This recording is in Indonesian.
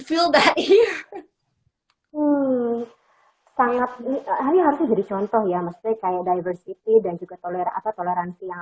feel that you sangat ini harus jadi contoh ya mestri kayak diversity dan juga toleransi yang